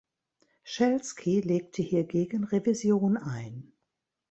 Schelsky legte hiergegen Revision ein.